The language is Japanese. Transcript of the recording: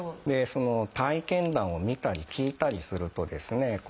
その体験談を見たり聞いたりするとですね